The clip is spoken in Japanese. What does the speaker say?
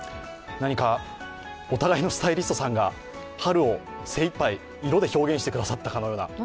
何かお互いのスタイリストさんが春を精いっぱい色で表現してくださったような。